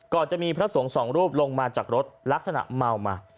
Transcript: จะมีพระสงฆ์สองรูปลงมาจากรถลักษณะเมามา